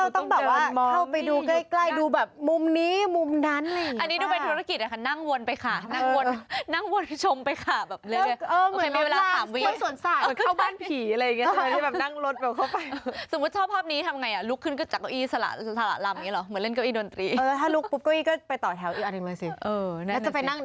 ถ้าเราต้องแบบว่าเข้าไปดูใกล้ดูแบบมุมนี้มุมนั้น